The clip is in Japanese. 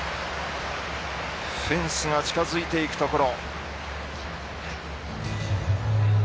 フェンスが近づいていくところ。